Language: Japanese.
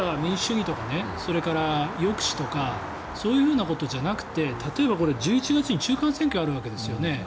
例えば民主主義とか抑止とかそういうことじゃなくて例えば１１月に中間選挙があるわけですよね。